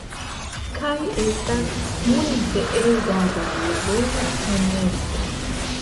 Kaj estas multe ega da laboro, honeste.